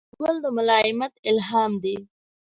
ګل د ملایمت الهام دی.